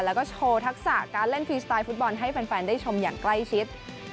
แล้วก็โชว์ทักษะการเล่นฟรีสไตล์ฟุตบอลให้แฟนได้ชมอย่างใกล้ชิด